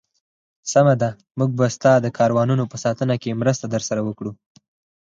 سمه ده، موږ به ستا د کاروانونو په ساتنه کې مرسته درسره وکړو.